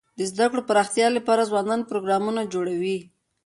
د زده کړو د پراختیا لپاره ځوانان پروګرامونه جوړوي.